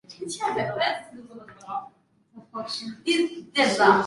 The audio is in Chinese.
这些岛屿包括苏斯港。